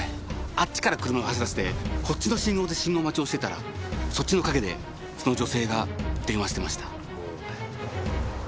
あっちから車を走らせてこっちの信号で信号待ちをしてたらそっちの陰でその女性が電話してました。